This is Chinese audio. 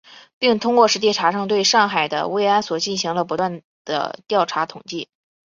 并通过实地查证，对上海的慰安所进行了不断地调查统计